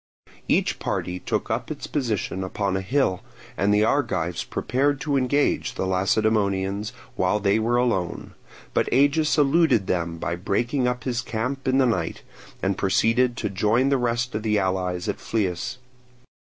Each party took up its position upon a hill, and the Argives prepared to engage the Lacedaemonians while they were alone; but Agis eluded them by breaking up his camp in the night, and proceeded to join the rest of the allies at Phlius.